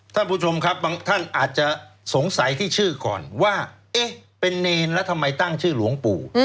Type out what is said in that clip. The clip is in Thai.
ท่านผู้ชมครับบางท่านอาจจะสงสัยที่ชื่อก่อนว่าเอ๊ะเป็นเนรแล้วทำไมตั้งชื่อหลวงปู่